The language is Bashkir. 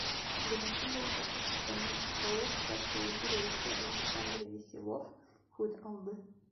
Беренсе булып Башҡортостандың Экологтар союзы рәйесе Александр Веселов һүҙ алды.